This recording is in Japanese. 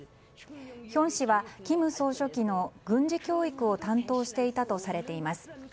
ヒョン氏は金総書記の軍事教育を担当していたとされています。